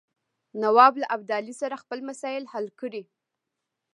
نواب له ابدالي سره خپل مسایل حل کړي.